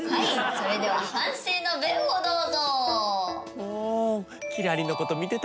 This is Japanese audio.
それでは反省の弁をどうぞ。